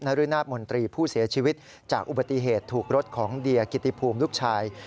รุนาศมนตรีผู้เสียชีวิตจากอุบัติเหตุถูกรถของเดียกิติภูมิลูกชาย